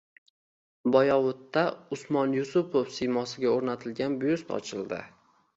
Boyovutda Usmon Yusupov siymosiga o‘rnatilgan byust ochildi